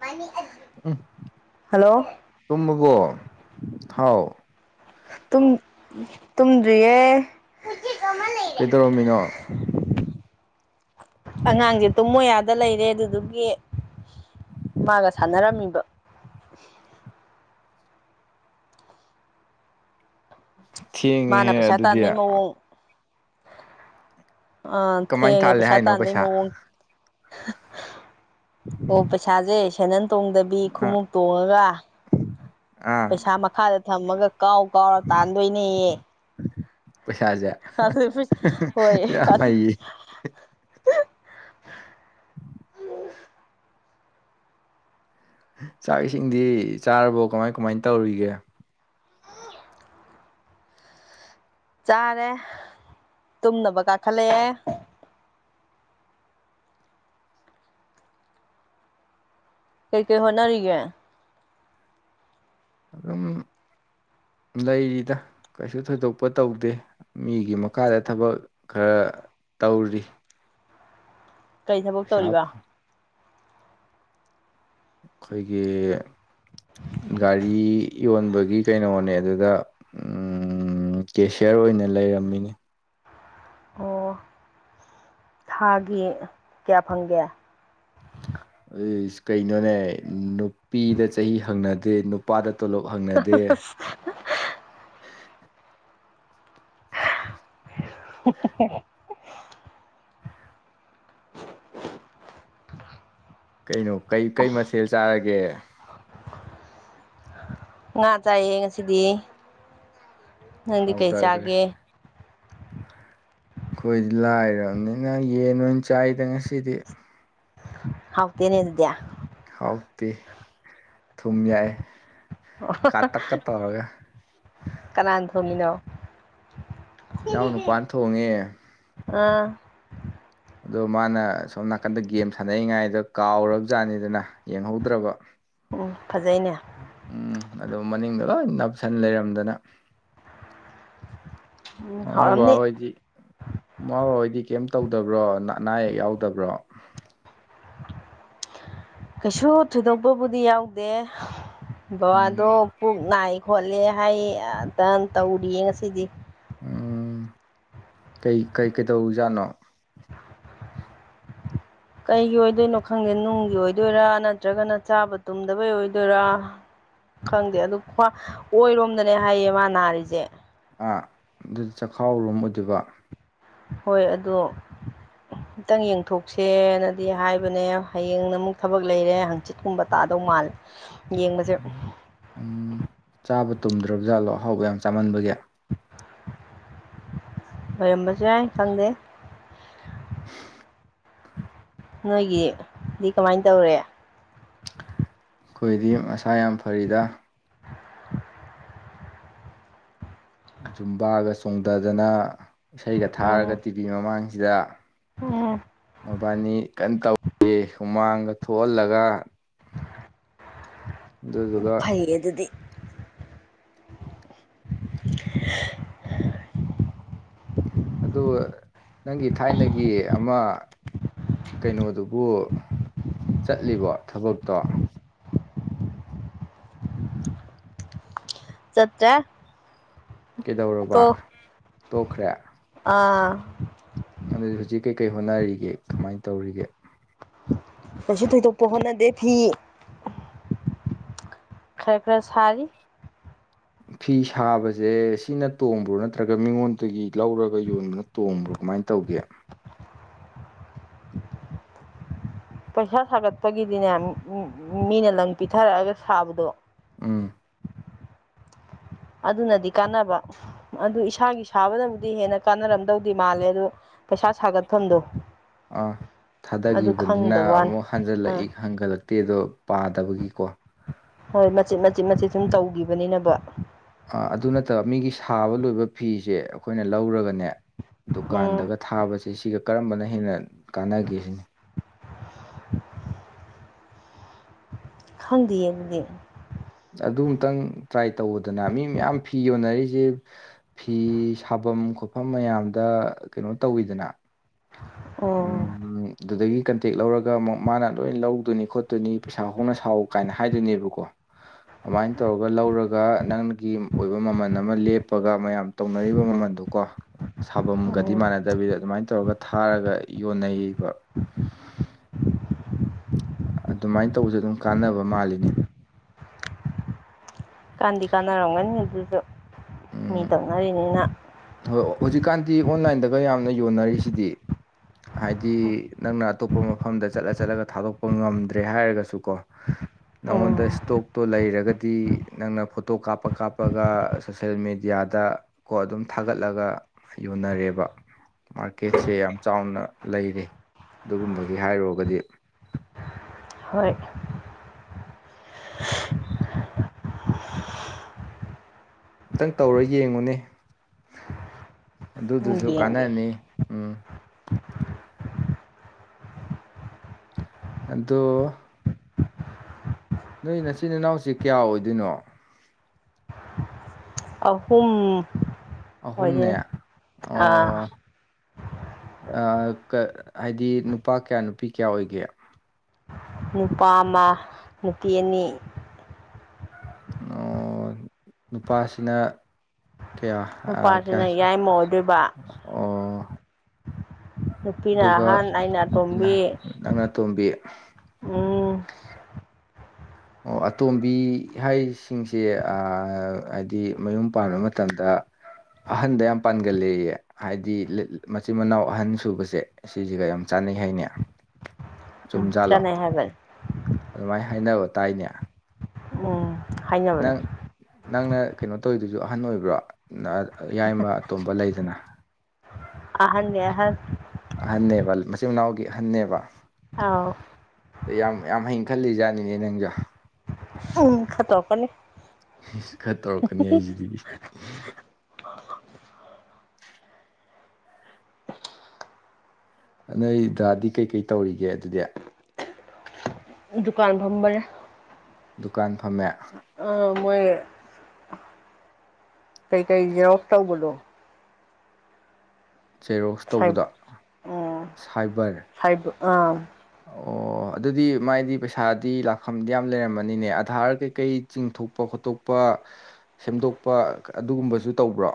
money ꯎꯝ ꯇꯨꯝꯃꯒꯣ ꯍꯥꯎ ꯇꯨꯝꯗ꯭ꯔꯤꯌꯦ ꯀꯩꯗꯧꯔꯝꯃꯤꯅꯣ ꯑꯉꯥꯡꯁꯦ ꯇꯨꯝ ꯃꯣꯌꯥꯗ ꯂꯩꯔꯦ ꯑꯗꯨꯗꯨꯒꯤ ꯃꯥꯒ ꯁꯥꯟꯅꯔꯝꯃꯤꯕ ꯃꯥꯅ ꯊꯦꯡꯉꯦꯍꯦ ꯄꯩꯁꯥ ꯑꯗꯨꯗꯤ ꯇꯥꯟꯕꯩ ꯃꯑꯣꯡ ꯑ ꯀꯃꯥꯏꯅ ꯊꯦꯡ ꯇꯥꯜꯂꯦ ꯄꯩꯁꯥ ꯍꯥꯏꯅꯣ ꯇꯥꯟꯅꯤ ꯃ ꯑꯣ ꯄꯩꯁꯥꯁꯦ ꯁꯦꯅꯟ ꯇꯣꯡꯗꯕꯤ ꯑꯥ ꯈꯨꯎꯨꯞ ꯇꯣꯡꯉꯒ ꯑꯥ ꯄꯩꯁꯥ ꯃꯈꯥꯗ ꯊꯝꯃꯒ ꯀꯥꯎ ꯀꯥꯎꯔ ꯇꯥꯟꯗꯣꯏꯅꯦꯌꯦ ꯁꯥꯖ ꯑꯗꯨ ꯍꯣꯏ ꯑꯗꯨ ꯌꯥꯃꯌꯦ ꯆꯥꯛ ꯏꯁꯤꯡꯗꯤ ꯆꯥꯔꯕꯣ ꯀꯃꯥꯏ ꯀꯃꯥꯏꯅ ꯇꯧꯔꯤꯒꯦ ꯆꯥꯔꯦ ꯇꯨꯝꯅꯕ ꯀꯥꯈꯠꯂꯛꯑꯦ ꯀꯩ ꯀꯩ ꯍꯅꯔꯤꯌꯦ ꯑꯗꯨꯝ ꯂꯩꯔꯤꯗ ꯀꯩꯁꯨ ꯊꯣꯏꯗꯣꯛꯄ ꯇꯧꯗꯦ ꯃꯤꯒꯤ ꯃꯈꯥꯗ ꯊꯕꯛ ꯈꯔ ꯇꯧꯔꯤ ꯀꯔꯤ ꯊꯕꯛ ꯄꯩꯁꯥ ꯇꯧꯔꯤꯕ ꯑꯩꯈꯣꯏꯒꯤ ꯒꯥꯔꯤ ꯌꯣꯟꯕꯒꯤ ꯀꯩꯅꯣꯅꯦ ꯑꯗꯨꯗ ꯀꯦꯁꯤꯌꯔ ꯑꯣꯏꯅ ꯂꯩꯔꯝꯃꯤꯅꯦ ꯑꯣ ꯊꯥꯒꯤ ꯀꯌꯥ ꯐꯪꯒꯦ ꯀꯩꯅꯣꯅꯦ ꯅꯨꯄꯤꯗ ꯆꯍꯤ ꯍꯪꯅꯗꯦ ꯅꯨꯄꯥꯗ ꯇꯣꯂꯣꯞ ꯍꯪꯅꯗꯦ [unintelligible] [unintelligible] ꯀꯩꯅꯣ ꯀꯩ ꯀꯩ ꯃꯊꯦꯜ ꯆꯥꯔꯒꯦ ꯉꯥ ꯆꯥꯏꯌꯦ ꯉꯁꯤꯗꯤ ꯅꯪꯗꯤ ꯀꯩ ꯍꯥꯎꯊꯈ꯭ꯔꯦ ꯆꯥꯒꯦ ꯑꯩꯈꯣꯏꯗꯤ ꯂꯥꯏꯔꯕꯅꯤꯅ ꯌꯦꯟ ꯑꯣꯏꯅ ꯆꯥꯏꯗ ꯉꯁꯤꯗꯤ ꯍꯥꯎꯇꯦꯅꯦꯗꯌꯥ ꯍꯥꯎꯇꯤ ꯊꯨꯝ ꯌꯥꯏ ꯀꯥ ꯇꯛꯀ ꯇꯧꯔꯒ ꯀꯅꯥꯅ ꯊꯣꯡꯉꯤꯅꯣ ꯏꯅꯥꯎ ꯅꯨꯄꯥꯥꯟ ꯊꯣꯡꯉꯦ ꯑꯥ ꯑꯗꯣ ꯃꯥꯅ ꯁꯣꯝ ꯅꯥꯀꯟꯗ ꯒꯦꯝ ꯁꯥꯟꯅꯔꯤꯉꯥꯏꯗ ꯀꯥꯎꯔꯕ ꯖꯥꯠꯅꯤꯗꯅ ꯌꯦꯡꯍꯧꯗ꯭ꯔꯕ ꯎꯝ ꯐꯖꯩꯅꯦ ꯎꯝ ꯑꯣ ꯃꯅꯤꯡꯗꯣ ꯂꯣꯏ ꯅꯅꯥꯞꯁꯟ ꯂꯩꯔꯝꯗꯅ ꯎꯝ ꯃꯃ ꯕꯥ ꯍꯥꯎꯔꯝꯅꯤ ꯑꯣꯏꯗꯤ ꯃꯥꯕꯣꯏꯗꯤ ꯀꯩꯝ ꯇꯧꯗꯕ꯭ꯔꯣ ꯑꯅꯥ ꯑꯌꯦꯛ ꯌꯥꯎꯗꯕ꯭ꯔꯣ ꯀꯩꯁꯨ ꯊꯣꯏꯗꯣꯛꯄꯕꯨꯗꯤ ꯌꯥꯎꯗꯦ ꯎꯝ ꯕꯕꯥꯗꯣ ꯄꯨꯛ ꯅꯥꯏ ꯈꯣꯠꯂꯦ ꯍꯥꯏ ꯑꯅ ꯇꯧꯔꯤꯌꯦ ꯉꯁꯤꯗꯤ ꯎꯝ ꯀꯩ ꯀꯩ ꯀꯩꯗꯧꯖꯥꯠꯅꯣ ꯀꯩꯒꯤ ꯑꯣꯏꯗꯣꯏꯅꯣ ꯈꯪꯗꯦ ꯅꯨꯡꯒꯤ ꯑꯣꯏꯗꯣꯏꯔꯥ ꯅꯠꯇ꯭ꯔꯒꯅ ꯆꯥꯕ ꯇꯨꯝꯗꯕꯩ ꯑꯣꯏꯗꯣꯏꯔꯥ ꯈꯪꯗꯦ ꯑꯗꯨ꯭ ꯑꯣꯏꯔꯣꯝꯗꯅꯦ ꯍꯥꯏꯌꯦ ꯃꯥ ꯅꯥꯔꯤꯁꯦ ꯑ ꯑꯗꯨ ꯆꯈꯥꯎꯔꯨꯝꯝ ꯑꯣꯏꯗꯣꯏꯕ ꯍꯣꯏ ꯑꯗꯣ [inaudible] ꯈꯤꯇꯪ ꯌꯦꯡꯊꯣꯛꯁꯦꯅꯗꯤ ꯍꯥꯏꯕꯅꯦ ꯍꯌꯦꯡꯅ ꯑꯃꯨꯛ ꯊꯕꯛ ꯂꯩꯔꯦ ꯍꯪꯆꯤꯠꯀꯨꯝꯕ ꯇꯥꯗꯧ ꯃꯥꯜꯂꯦ ꯌꯦꯡꯕꯁꯦ ꯎꯝ ꯆꯥꯕ ꯇꯨꯝꯗ꯭ꯔꯕꯖꯥꯠꯂꯣ ꯑꯍꯥꯎꯕ ꯌꯥꯝ ꯆꯥꯃꯟꯕꯒꯤ ꯑꯣꯏꯔꯝꯕꯁꯨ ꯌꯥꯏ ꯈꯪꯗꯦ ꯅꯣꯏꯒꯤꯗꯤ ꯀꯃꯥꯏꯅ ꯇꯧꯔꯦ ꯑꯩꯈꯣꯏꯗꯤ ꯃꯁꯥ ꯌꯥꯝ ꯐꯔꯤꯗ ꯖꯨꯝꯕꯥꯒ ꯆꯣꯡꯊꯗꯅ ꯏꯁꯩꯒ ꯎꯝ ꯊꯥꯔꯒ ꯇꯤꯚꯤ ꯃꯃꯥꯡꯁꯤꯗ ꯎꯝ ꯃꯕꯥꯅꯤ ꯀꯟꯅ ꯇꯧꯦ ꯍꯨꯃꯥꯡꯒ ꯊꯣꯛꯍꯜꯂꯒ ꯑꯗꯨꯗꯨꯒ ꯀꯗꯤ [inaudible] ꯑꯗꯨ ꯅꯪꯒꯤ ꯊꯥꯏꯅꯒꯤ ꯑꯃ ꯀꯩꯅꯣꯗꯨꯕꯨ ꯆꯠꯂꯤꯕꯣ ꯊꯕꯛꯇꯣ ꯆꯠꯠꯇ ꯀꯩꯗꯧꯔꯕ ꯇꯣꯛꯈ꯭ꯔꯦ ꯑꯥ ꯑꯗꯨꯗꯤ ꯍꯧꯖꯤꯛ ꯀꯩꯀꯩ ꯍꯣꯠꯅꯔꯤꯒꯦ ꯀꯃꯥꯏꯅ ꯇꯧꯔꯤꯒꯦ ꯀꯩꯁꯨ ꯊꯣꯏꯗꯣꯛꯄ ꯍꯣꯠꯅꯗꯦ ꯐꯤ ꯈꯔ ꯈꯔ ꯁꯥꯔꯤ ꯐꯤ ꯁꯥꯕꯁꯦ ꯁꯤꯅ ꯇꯣꯡꯕ꯭ꯔꯣ ꯅꯠꯇ꯭ꯔꯒ ꯃꯤꯉꯣꯟꯗꯒꯤ ꯂꯧꯔꯒ ꯌꯣꯟꯕꯅ ꯇꯣꯡꯕ꯭ꯔꯣ ꯀꯃꯥꯏꯅ ꯇꯧꯒꯦ ꯄꯩꯁꯥ ꯁꯥꯒꯠꯄꯒꯤꯗꯤꯅꯦ ꯃꯤꯅ ꯂꯪ ꯄꯤꯊꯔꯛꯑꯒ ꯁꯥꯕꯗꯣ ꯎꯝ ꯑꯗꯨꯅꯗꯤ ꯀꯥꯟꯅꯕ ꯑꯗꯨ ꯏꯁꯥꯒꯤ ꯁꯥꯕꯗꯕꯨꯗꯤ ꯍꯦꯟꯅ ꯀꯥꯟꯅꯔꯝꯗꯧꯗꯤ ꯃꯥꯜꯂꯦ ꯑꯗꯨ ꯄꯩꯁꯥ ꯁꯥꯒꯠꯐꯝꯗꯣ ꯑꯥ ꯑꯗꯨ ꯊꯥꯗꯈꯤꯕꯅꯤꯅ ꯈꯪꯗꯕ ꯋꯥꯅꯤ ꯑꯃꯨꯛ ꯑꯥ ꯍꯟꯖꯜꯂꯛꯏ ꯍꯟꯒꯠꯂꯛꯇꯦ ꯑꯗꯣ ꯄꯥꯗꯕꯒꯤꯀꯣ ꯍꯣꯏ ꯃꯆꯤꯠ ꯃꯆꯤꯠ ꯃꯆꯤꯠ ꯁꯨꯝ ꯇꯧꯈꯤꯕꯅꯤꯅꯕ ꯑꯗꯨ ꯅꯠꯇꯕ ꯃꯤꯒꯤ ꯁꯥꯕ ꯂꯣꯏꯕ ꯐꯤꯁꯦ ꯑꯩꯈꯣꯏꯅ ꯂꯧꯔꯒꯅꯦ ꯎꯝ ꯗꯨꯀꯥꯟꯗꯒ ꯊꯥꯕꯁꯦ ꯁꯤꯒ ꯀꯔꯝꯕꯅ ꯍꯦꯟꯅ ꯀꯥꯟꯅꯒꯦ ꯁꯤꯅꯤ [inaudible] ꯈꯪꯗꯦꯑ ꯑꯗꯨꯗꯤ ꯑꯗꯨꯃꯛꯇꯪ ꯇ꯭ꯔꯥꯏ ꯇꯧꯕꯗꯅ ꯃꯤ ꯃꯌꯥꯝ ꯐꯤ ꯌꯣꯟꯅꯔꯤꯁꯦ ꯐꯤ ꯁꯥꯐꯝ ꯈꯣꯠꯐꯝ ꯃꯌꯥꯝꯗ ꯀꯩꯅꯣ ꯇꯧꯋꯤꯗꯅ ꯎꯝ ꯑꯗꯨꯗꯒꯤ ꯀꯟꯇꯦꯛ ꯂꯧꯔꯒ ꯑꯃꯨꯛ ꯃꯥꯅ ꯂꯣꯏꯅ ꯂꯧꯗꯣꯏꯅꯤ ꯈꯣꯠꯇꯣꯏꯅꯤ ꯄꯩꯁꯥ ꯍꯣꯡꯅ ꯁꯥꯎ ꯀꯥꯏꯅ ꯍꯥꯏꯗꯣꯏꯅꯦꯕꯀꯣ ꯑꯗꯨꯃꯥꯏꯅ ꯇꯧꯔꯒ ꯂꯧꯔꯒ ꯅꯪꯒꯤ ꯑꯣꯏꯕ ꯃꯃꯜ ꯑꯃ ꯂꯦꯞꯄꯒ ꯃꯌꯥꯝ ꯇꯧꯅꯔꯤꯕ ꯃꯃꯟꯗꯨꯀꯣ ꯁꯥꯐꯝꯒꯗꯤ ꯎꯝ ꯃꯥꯟꯅꯗꯕꯤꯗ ꯑꯗꯨꯃꯥꯏꯅ ꯇꯧꯔꯒ ꯊꯥꯔꯒ ꯌꯣꯟꯅꯩꯕ ꯑꯗꯨꯃꯥꯏꯅ ꯇꯧꯕꯁꯨ ꯑꯗꯨꯝ ꯀꯥꯟꯅꯕ ꯃꯥꯜꯂꯤꯅꯦ ꯀꯥꯟꯗꯤ ꯀꯥꯟꯅꯔꯝꯒꯅꯤ ꯑꯗꯨꯁꯨ ꯃꯤ ꯇꯧꯅꯔꯤꯅꯤꯅ ꯍ ꯍꯧꯖꯤꯛꯀꯥꯟꯗꯤ ꯑꯣꯟꯂꯥꯏꯟꯗꯒ ꯌꯥꯝꯅ ꯌꯣꯟꯅꯔꯤꯁꯤꯗꯤ ꯍꯥꯏꯗꯤ ꯅꯪꯅ ꯑꯇꯣꯞꯄ ꯃꯐꯝꯗ ꯆꯠꯂ ꯆꯠꯂꯒ ꯊꯥꯗꯣꯛꯄ ꯉꯝꯗ꯭ꯔꯦ ꯍꯥꯏꯔꯒꯁꯨ ꯀꯣ ꯎꯝ ꯅꯎꯗꯁ ꯇꯣꯛꯇꯣ ꯂꯩꯔꯒꯗꯤ ꯅꯪꯅ ꯐꯣꯇꯣ ꯀꯥꯞꯄ ꯀꯥꯞꯄꯒ ꯁꯣꯁꯦꯜ ꯃꯦꯗꯤꯌꯥꯗ ꯀꯣ ꯑꯗꯨꯝ ꯊꯥꯒꯠꯂꯒ ꯌꯣꯟꯅꯔꯦꯕ ꯃꯥꯔꯀꯦꯠꯁꯦ ꯌꯥꯝ ꯆꯥꯎꯅ ꯂꯩꯔꯦ ꯑꯗꯨꯒꯨꯝꯕꯒꯤ ꯍꯥꯏꯔꯨꯔꯒꯗꯤ ꯍꯣꯏ ꯑꯃꯨꯇꯪ ꯇꯧꯔ ꯌꯦꯡꯉꯨꯅꯦ ꯑꯗꯨꯗꯨꯁꯨ ꯌꯦꯡꯒꯦ ꯀꯥꯟꯅꯅꯤ ꯎꯝ ꯑꯗꯣ ꯅꯣꯏ ꯅꯆꯤꯟ ꯏꯅꯥꯎꯁ ꯀꯌꯥ ꯑꯣꯏꯗꯣꯏꯅꯣ ꯑꯍꯨꯝ ꯑꯍꯨꯝꯅꯦ ꯑꯣꯏꯗꯣꯏꯅꯦ ꯑꯣ ꯑꯥ ꯍꯥꯏꯗꯤ ꯅꯨꯄꯥ ꯀꯌꯥ ꯅꯨꯄꯤ ꯀꯌꯥ ꯑꯣꯏꯒꯦ ꯅꯨꯄꯥ ꯑꯃ ꯅꯨꯄꯤ ꯑꯅꯤ ꯑꯣ ꯅꯨꯄꯥꯁꯤꯅ ꯀꯌꯥ ꯑ, ꯅꯨꯄꯥꯁꯤꯅ ꯀꯌꯥ ꯌꯥꯏꯃꯧꯗꯕ ꯑꯣ ꯅꯨꯄꯤꯅ ꯑꯗꯨꯒ ꯑꯍꯟ ꯑꯩꯅ ꯅꯨꯄꯤꯅ ꯑꯇꯣꯝꯕꯤ ꯅꯪꯅꯇꯣꯝꯕꯤ ꯎꯝ ꯑꯣ ꯑꯇꯣꯝꯕꯤ ꯍꯥꯏꯁꯤꯡꯁꯦ ꯍꯥꯏꯗꯤ ꯃꯌꯨꯝ ꯄꯥꯟꯕ ꯃꯇꯝꯗ ꯑꯍꯟꯗ ꯌꯥꯝ ꯄꯥꯟꯒꯜꯂꯌꯦ ꯍꯥꯏꯗꯤ ꯃꯆꯤꯟ ꯃꯅꯥꯎ ꯑꯍꯟ ꯁꯨꯕꯁꯦ ꯑꯁꯤꯁꯤꯒ ꯌꯥꯝ ꯆꯥꯅꯩ ꯍꯥꯏꯅꯦ ꯎꯝ ꯆꯨꯝꯖꯥꯜꯂꯣ ꯆꯥꯟꯅꯩ ꯍꯥꯏꯕꯅꯤ ꯑꯗꯨꯃꯥꯏꯅ ꯍꯥꯏꯅꯕ ꯇꯥꯏꯅꯦ ꯑꯣꯝ ꯅꯪ ꯅꯪꯅ ꯀꯩꯅꯣ ꯇꯧꯔꯤꯗꯨꯁꯨ ꯑꯍꯟ ꯑꯣꯏꯕ꯭ꯔꯣ ꯏꯏꯕ ꯑꯇꯣꯝꯕ ꯂꯩꯗꯅ ꯑꯍꯟ ꯅꯦ ꯑꯍꯟ ꯑꯍꯟꯅꯦꯕ ꯃꯆꯤꯟ ꯃꯅꯥꯎꯒꯤ ꯑꯍꯟꯅꯦꯕ ꯑꯥꯎ ꯑꯗꯣ ꯌꯥꯝ ꯍꯩ ꯈꯜꯂꯤꯖꯥꯠꯅꯦ ꯅꯪꯖꯨ ꯎ ꯈꯠꯇꯧꯀꯅꯤ ꯈꯔ ꯇꯧꯔꯛꯀꯅꯤ ꯍꯥꯏꯁꯤꯗꯤ ꯅ ꯅꯩ ꯗꯥ ꯗꯤ ꯀꯩꯀꯩ ꯇꯧꯔꯤꯒꯦ ꯑꯗꯨꯗꯤ ꯗꯨꯀꯥꯟ ꯐꯝꯕꯅꯦ ꯗꯨꯀꯥꯟ ꯐꯝꯃꯦ ꯑ ꯃꯣꯏ ꯀꯩ ꯀꯩ ꯖꯦꯔꯣꯛꯁ ꯇꯧꯕꯗꯣ ꯖꯦꯔꯣꯛꯁ ꯁꯥꯏ ꯇꯧꯕꯗꯣ ꯁꯥꯏꯕꯔ ꯍꯥꯏꯕ ꯑꯥ ꯑꯣ ꯑꯣ ꯑꯗꯨꯗꯤ ꯃꯥꯏꯗꯤ ꯄꯩꯁꯥꯗꯤ ꯂꯥꯛꯐꯝꯗꯤ ꯌꯥꯝ ꯂꯩꯔꯝꯃꯅꯤꯅꯦ ꯑꯙꯥꯔ ꯀꯩꯀꯩ ꯆꯤꯡꯊꯣꯛꯄ ꯈꯣꯠꯇꯣꯛꯄ ꯁꯦꯝꯗꯣꯛꯄ ꯑꯗꯨꯒꯨꯝꯕꯁꯨ ꯇꯧꯕ꯭ꯔꯣ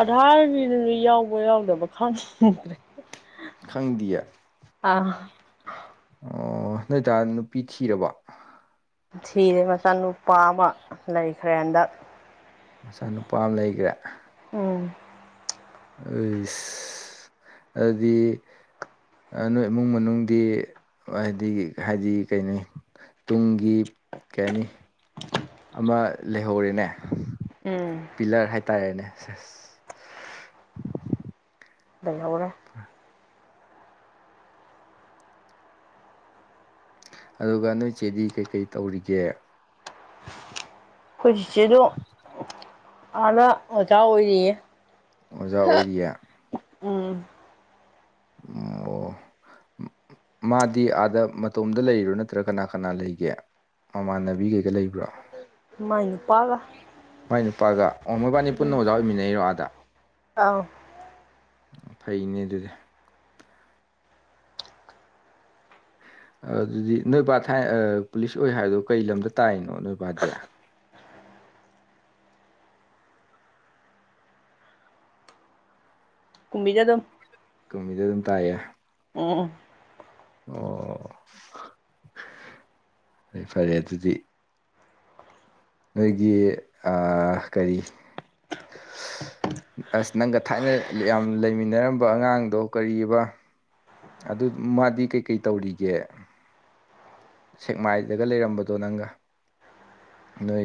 ꯑꯙꯥꯔꯒꯤ ꯅꯨꯃꯤꯠ ꯌꯥꯎꯕ ꯌꯥꯎꯗꯕ ꯈꯪꯗ꯭ꯔꯦ ꯈꯪꯗꯤꯌꯦ ꯑ ꯑꯣ ꯅꯣꯏꯗꯥ ꯅꯨꯄꯤ ꯊꯤꯔꯕ ꯊꯤꯔꯦ ꯃꯆꯥꯅꯨꯄꯥ ꯑꯃ ꯂꯩꯈ꯭ꯔꯦ ꯍꯟꯗꯛ ꯃꯆꯥꯅꯨꯄꯥ ꯑꯃ ꯂꯩꯈ꯭ꯔꯦ ꯎꯝ ꯑꯗꯨꯗꯤ ꯅꯣꯏ ꯏꯃꯨꯡ ꯃꯅꯨꯡꯗꯤ ꯍꯥꯏꯗꯤ ꯍꯥꯏꯗꯤ ꯀꯩꯅꯣ ꯇꯨꯡꯒꯤ ꯀꯩ ꯍꯥꯏꯅꯤ ꯑꯃ ꯂꯩꯍꯧꯔꯤꯦꯅꯦ ꯎꯝ ꯄꯤꯂꯔ ꯍꯥꯏꯇꯥꯔꯦꯅꯦ ꯁꯁ ꯀꯩꯗꯧꯔꯦ ꯑꯗꯨꯒ ꯅꯣꯏ ꯆꯦꯗꯤ ꯀꯩꯀꯩ ꯇꯧꯔꯤꯒꯦ ꯑꯩꯈꯣꯏꯖꯤꯠꯆꯦꯗꯣ ꯑꯥꯥꯗ ꯑꯣꯖꯥ ꯑꯣꯏꯔꯤꯌꯦ ꯑꯣꯖꯥ ꯑꯣꯏꯔꯤꯌꯦ ꯎꯝ ꯑꯣ ꯑꯣ ꯃꯥꯗꯤ ꯑꯥꯗ ꯃꯇꯣꯝꯗ ꯂꯩꯔꯣ ꯅꯠꯇ꯭ꯔꯥ ꯀꯅꯥ ꯀꯅꯥ ꯂꯩꯒꯦ ꯃꯃꯥꯟꯅꯕꯤ ꯀꯩꯀ ꯂꯩꯕ꯭ꯔꯣ ꯃꯥꯏꯅꯨ ꯄꯥꯒ ꯃꯥꯏ ꯅꯨꯄꯥꯒ ꯑꯣ ꯃꯣꯏꯕꯥꯅꯤ ꯄꯨꯟꯅ ꯑꯣꯖꯥ ꯑꯣꯏꯃꯤꯟꯅꯩꯔꯣ ꯑꯥꯗ ꯑꯥꯎ ꯐꯩꯅꯦ ꯑꯗꯨꯗꯤ ꯑꯗꯨꯗꯤ ꯅꯣꯏꯕꯥꯠ ꯊꯥꯏ ꯄꯨꯂꯤꯁ ꯑꯣꯏ ꯍꯥꯏꯗꯣ ꯀꯩ ꯂꯝꯗ ꯇꯥꯏꯔꯤꯅꯣ ꯅꯣꯏꯕꯥꯗꯤ ꯀꯨꯝꯕꯤꯗ ꯑꯗꯨꯝ ꯀꯃꯤꯗ ꯑꯗꯨꯝ ꯇꯥꯏꯑꯌꯦ ꯎꯝ ꯑꯣ ꯑꯩ ꯐꯔꯦ ꯑꯗꯨꯗꯤ ꯅꯣꯏꯒꯤ ꯀꯔꯤ ꯑꯁ ꯅꯪꯒ ꯊꯥꯏꯅ ꯌꯥꯝ ꯂꯩꯃꯤꯟꯅꯔꯝꯕ ꯑꯉꯥꯡꯗꯣ ꯀꯔꯤꯕ ꯑꯗꯨ ꯃꯥꯗꯤ ꯀꯩꯀꯩ ꯇꯧꯔꯤꯒꯦ ꯁꯦꯛꯃꯥꯏꯗꯒ ꯂꯩꯔꯝꯕꯗꯣ ꯅꯪꯒ ꯅꯣꯏ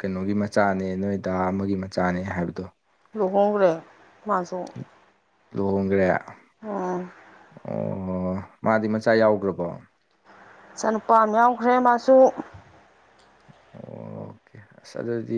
ꯀꯩꯅꯣꯒꯤ ꯃꯆꯥꯅꯦ ꯅꯣꯏ ꯗꯥ ꯑꯃꯒꯤ ꯃꯆꯥꯅꯦ ꯍꯥꯏꯕꯗꯣ ꯂꯨꯍꯣꯡꯈ꯭ꯔꯦ ꯃꯥꯁꯨ ꯂꯨꯍꯣꯡꯒ꯭ꯔꯦ ꯎꯝ ꯑꯣ ꯃꯥꯗꯤ ꯃꯆꯥ ꯌꯥꯎꯈ꯭ꯔꯕꯣ ꯏꯆꯥꯅꯨꯄꯥ ꯑꯃ ꯌꯥꯎꯈ꯭ꯔꯦ ꯃꯥꯁꯨ ꯑꯣ ꯑꯣꯀꯦ ꯑꯁ ꯑꯗꯨꯗꯤ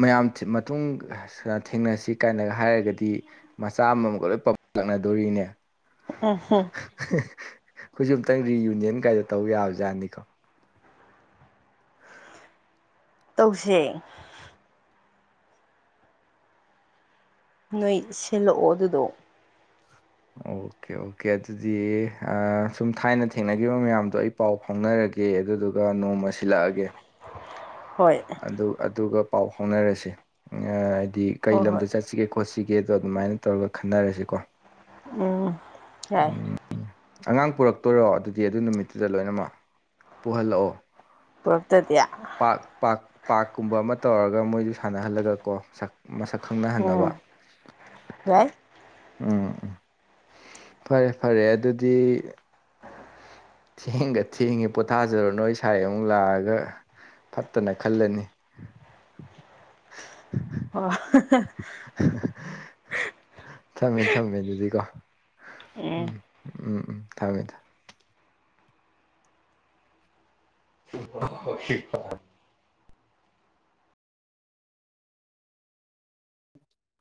ꯃꯌꯥꯝ ꯃꯇꯨꯡ ꯊꯦꯡꯅꯁꯤ ꯀꯥꯏꯅꯒ ꯍꯥꯏꯔꯒꯗꯤ ꯃꯆꯥ ꯑꯃꯝ ꯃꯝꯒ ꯂꯣꯏ ꯄꯝꯂꯛꯅꯗꯣꯔꯤꯅꯦ [inaudible] ꯑꯩꯈꯣꯏꯁꯨ ꯑꯝꯇꯪ ꯔꯤꯌꯨꯅꯤꯌꯟ ꯀꯥꯏꯗꯣ ꯇꯧ ꯌꯥꯕ ꯖꯥꯠꯅꯤꯀꯣ ꯇꯧꯁꯦ ꯅꯣꯏ ꯁꯤꯜꯂꯛꯑꯣ ꯑꯗꯨꯗꯣ ꯑꯣꯀꯦ ꯑꯣꯀꯦ ꯑꯗꯨꯗꯤ ꯑꯥ ꯁꯨꯝ ꯊꯥꯏꯅ ꯊꯦꯡꯅꯈꯤꯕ ꯃꯌꯥꯝꯗꯣ ꯑꯩ ꯄꯥꯎ ꯐꯥꯎꯅꯔꯒꯦ ꯑꯗꯨꯗꯨꯒ ꯅꯣꯡꯃ ꯁꯤꯜꯂꯛꯑꯒꯦ ꯍꯣꯏ ꯑꯗꯨ ꯑꯗꯨꯒ ꯄꯥꯎ ꯐꯥꯎꯅꯔꯁꯦ ꯑꯥ ꯍꯥꯏꯗꯤ ꯀꯩ ꯍꯣꯏ ꯍꯣꯏ ꯂꯝꯗ ꯆꯠꯁꯤꯒꯦ ꯈꯣꯠꯁꯤꯒꯦꯗꯣ ꯑꯗꯨꯃꯥꯏꯅ ꯇꯧꯔꯒ ꯈꯟꯅꯔꯁꯤꯀꯣ ꯎꯝ ꯌꯥꯏ ꯎꯝ ꯑꯉꯥꯡ ꯄꯨꯔꯛꯇꯣꯏꯔꯣ ꯑꯗꯨꯗꯤ ꯑꯗꯨ ꯅꯨꯃꯤꯠꯇꯨꯗ ꯂꯣꯏꯅꯃꯛ ꯄꯨꯍꯜꯂꯛꯑꯣ ꯄꯨꯔꯛꯇꯗꯤ ꯄꯥꯛ ꯄꯥꯛ ꯄꯥꯛꯀꯨꯝꯕ ꯑꯃ ꯇꯧꯔꯒ ꯃꯣꯏꯁꯨ ꯁꯥꯟꯅꯍꯜꯂꯒ ꯀꯣ ꯁꯛ ꯃꯁꯛ ꯈꯪꯅꯍꯟꯅꯕ ꯎꯝ ꯌꯥꯏ ꯎꯝ ꯎꯝ ꯐꯔꯦ ꯐꯔꯦ ꯑꯗꯨꯗꯤ ꯊꯦꯡꯒ ꯊꯦꯡꯉꯦ ꯄꯣꯊꯥꯖꯔꯨ ꯅꯣꯏ ꯏꯁꯥꯏ ꯑꯃꯨꯛ ꯂꯥꯛꯑꯒ ꯐꯠꯇꯅ ꯈꯜꯂꯅꯤ [unintelligible] ꯊꯝꯃꯦ ꯊꯝꯃꯦ ꯑꯗꯨꯗꯤꯀꯣ ꯎꯝ ꯎꯝ ꯎꯝ ꯊꯃꯦ ꯊꯃꯦ [unintelligible]